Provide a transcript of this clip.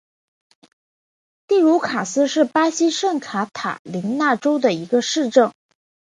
蒂茹卡斯是巴西圣卡塔琳娜州的一个市镇。